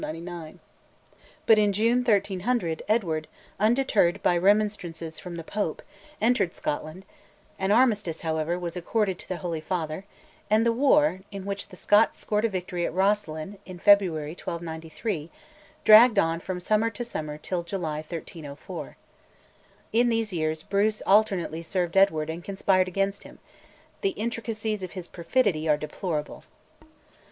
But in June 1300, Edward, undeterred by remonstrances from the Pope, entered Scotland; an armistice, however, was accorded to the Holy Father, and the war, in which the Scots scored a victory at Roslin in February 1293, dragged on from summer to summer till July 1304. In these years Bruce alternately served Edward and conspired against him; the intricacies of his perfidy are deplorable.